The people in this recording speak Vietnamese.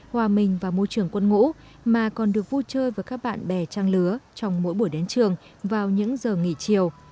hòa minh và môi trường quân ngũ mà còn được vui chơi với các bạn bè trang lứa trong mỗi buổi đến trường vào những giờ nghỉ chiều